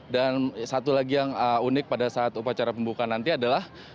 dan satu lagi yang unik pada saat upacara pembukaan nanti adalah